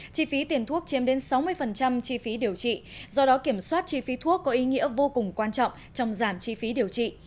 chi phí tiền thuốc chiếm đến sáu mươi chi phí điều trị do đó kiểm soát chi phí thuốc có ý nghĩa vô cùng quan trọng trong giảm chi phí điều trị